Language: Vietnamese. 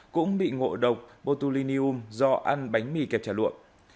cũng bị ngộ độc botulinium do ăn bánh mì kẹp trả lụa